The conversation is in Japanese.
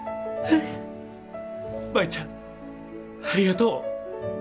舞ちゃんありがとう。